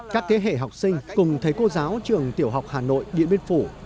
các thế hệ học sinh cùng thầy cô giáo trường tiểu học hà nội điện biên phủ